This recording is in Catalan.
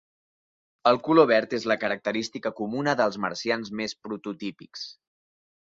El color verd és la característica comuna dels marcians més prototípics.